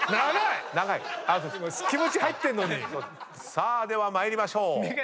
さあでは参りましょう。